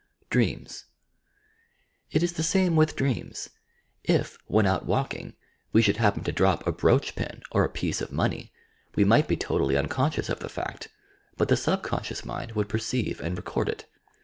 It ia the same with dreams. If, when out walking, we should happen to drop a brooch pin or a piece of money, we might be totally unconscious of the fact, but the subconscious mind would perceive and record it.